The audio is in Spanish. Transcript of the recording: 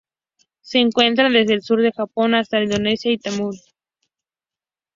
Se encuentra desde el sur del Japón hasta Indonesia y Tuamotu.